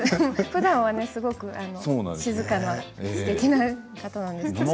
ふだんはすごく静かなすてきな方なんですけど。